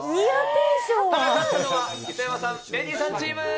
勝ったのは磯山さん、メンディーさんチーム。